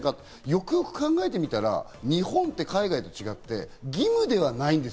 よくよく考えてみたら日本は海外と違って義務ではない。